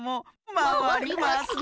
まわりますな。